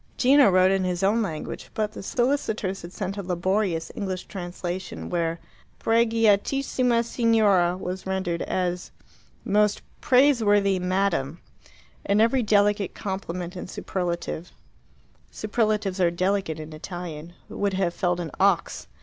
Gino wrote in his own language, but the solicitors had sent a laborious English translation, where "Preghiatissima Signora" was rendered as "Most Praiseworthy Madam," and every delicate compliment and superlative superlatives are delicate in Italian would have felled an ox.